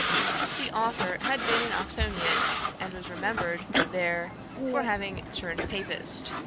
The authour had been an Oxonian, and was remembered there for having 'turned Papist.'